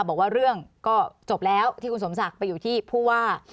บอกว่าเรื่องก็จบแล้วที่คุณสมศักดิ์ไปอยู่ที่ผู้ว่า